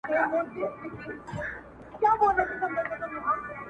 د بارانه ولاړی، تر ناوې لاندي ئې شپه سوه.